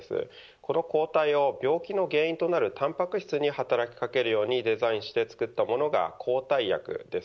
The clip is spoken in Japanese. この抗体を病気の原因となるタンパク質に働きかけるようにデザインして作ったものが抗体薬です。